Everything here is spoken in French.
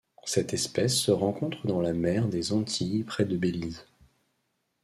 Cette espèce se rencontre dans la mer des Antilles près du Belize.